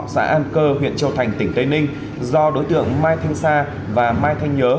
xã an cơ huyện châu thành tỉnh tây ninh do đối tượng mai thanh sa và mai thanh nhớ